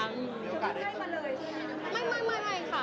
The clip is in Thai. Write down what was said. มีโอกาสได้มาเลยที่นี่ค่ะ